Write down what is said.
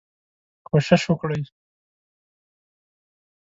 کوشش وکړئ